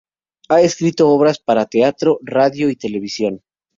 Ha escrito obras para teatro, radio, y televisión.